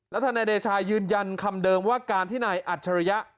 ธนายเดชายืนยันคำเดิมว่าการที่นายอัจฉริยะ